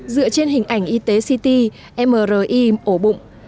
dựa trên hình ảnh y tế ct mri ổ bụng